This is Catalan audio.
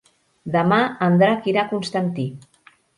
Demà en Drac irà a Constantí.